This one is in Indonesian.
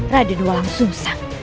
raden walang susah